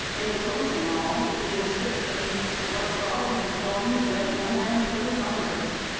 Enclosino^ all is the inscription, "' What Grod has joined, let no man p7(t asun der.''